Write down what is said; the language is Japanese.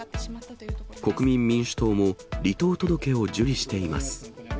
国民民主党も、離党届を受理しています。